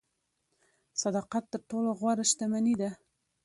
صداقت تر ټولو غوره شتمني ده.